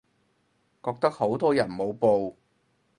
覺得好多人冇報